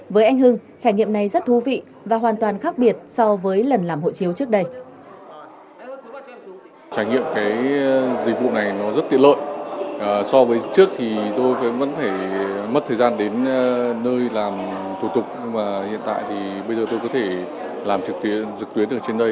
với anh hưng trải nghiệm này rất thú vị và hoàn toàn khác biệt so với lần làm hộ chiếu trước đây